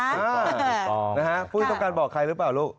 อ่าพูดต้องการบอกใครรึเปล่าลูก